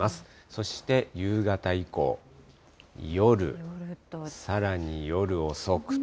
そして夕方以降、夜、さらに夜遅くと。